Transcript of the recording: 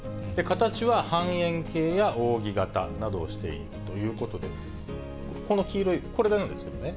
形は半円形や扇形などをしているということで、この黄色い、これなんですよね。